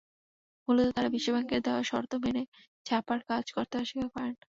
মূলত তাঁরা বিশ্বব্যাংকের দেওয়া শর্ত মেনে ছাপার কাজ করতে অস্বীকার করেন।